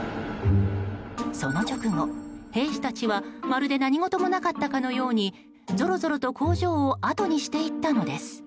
その直後、兵士たちはまるで何事もなかったかのようにぞろぞろと工場を後にしていったのです。